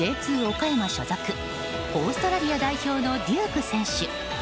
岡山所属オーストラリア代表のデューク選手。